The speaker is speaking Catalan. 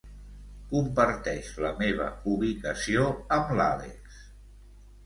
Comparteix la meva ubicació amb l'Àlex.